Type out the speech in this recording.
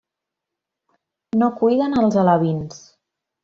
No cuiden els alevins.